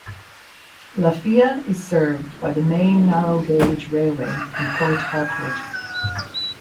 Lafia is served by the main narrow gauge railway from Port Harcourt.